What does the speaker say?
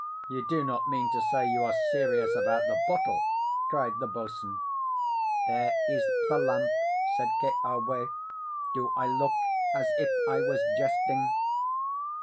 "You do not mean to say you are serious about that bottle?" cried the boatswain. "There is the lamp," said Keawe. "Do I look as if I was jesting?"